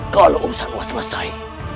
kalau urusanmu selesai